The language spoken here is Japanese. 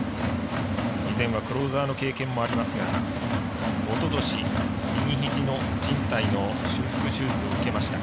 以前はクローザーの経験もありますがおととし、右ひじのじん帯の修復手術を受けました。